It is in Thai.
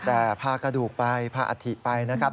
แต่พากระดูกไปพาอัฐิไปนะครับ